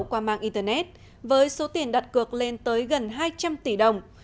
qua mạng internet với số tiền đặt cược lên tới gần hai trăm linh tỷ đồng